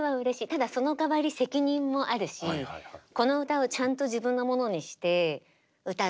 ただそのかわり責任もあるしこの歌をちゃんと自分のものにして歌っていきたい。